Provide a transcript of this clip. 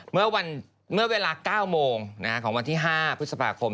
เมื่อเวลา๙โมงของวันที่๕พฤษภาคม